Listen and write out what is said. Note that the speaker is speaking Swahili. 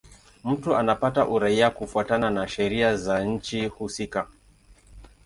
Mtu anapata uraia kufuatana na sheria za nchi husika.